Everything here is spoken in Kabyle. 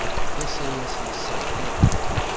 D asayes yesserhaben.